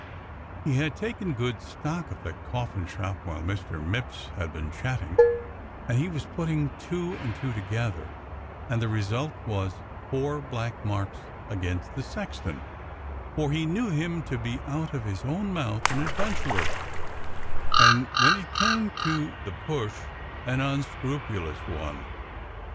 He had taken good stock of that coffin shop while Mr. Mipps had been chatting, and he was putting two and two together, and the result was four black marks against the sexton, for he knew him to be out of his own mouth an adventurer, and, when it came to the push, an unscrupulous one.